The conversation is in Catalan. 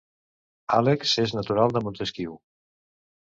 Àlex és natural de Montesquiu